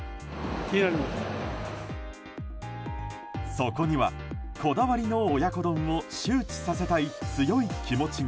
そこには、こだわりの親子丼を周知させたい強い気持ちが。